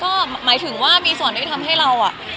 ก็หมายถึงว่ามีส่วนที่ทำให้เราอ่ะ